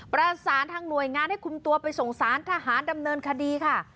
ประสานทางหน่วยงานให้คุมตัวไปส่งสารทหารดำเนินคดีค่ะ